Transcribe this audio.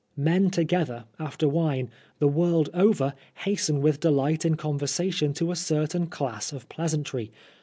Men together, after wine, the world over, hasten with delight in conversation to a certain class of pleasantry.